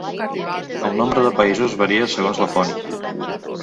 El nombre de països varia segons la font.